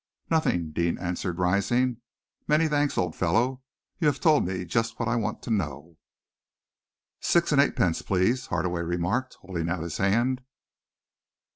"Nothing," Deane answered, rising. "Many thanks, old fellow. You have told me just what I want to know." "Six and eightpence, please," Hardaway remarked, holding out his hand.